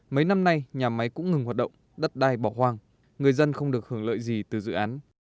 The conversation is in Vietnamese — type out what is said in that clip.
mấy năm nay nhà máy cũng ngừng hoạt động đất đai bỏ hoang người dân không được hưởng lợi gì từ dự án